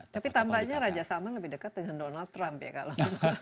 tapi tambahnya raja salman lebih dekat dengan donald trump ya kalau